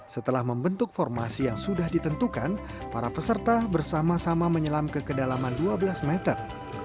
setelah membentuk formasi yang sudah ditentukan para peserta bersama sama menyelam ke kedalaman dua belas meter